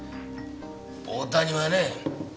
大谷はね